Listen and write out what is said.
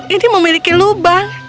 ini memiliki lubang